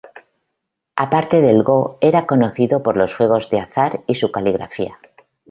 Aparte del go, era conocido por los juegos de azar y su caligrafía.